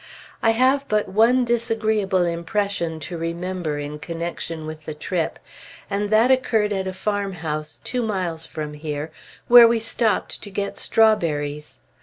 I have but one disagreeable impression to remember in connection with the trip, and that occurred at a farmhouse two miles from here, where we stopped to get strawberries.